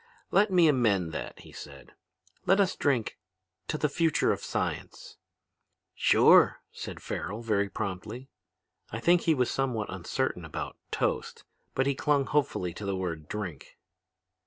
"'Let me amend that,' he said. 'Let us drink to the future of science.' "'Sure!' said Farrel, very promptly. I think he was somewhat uncertain about 'toast,' but he clung hopefully to the word 'drink.'